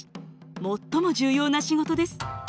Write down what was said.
最も重要な仕事です。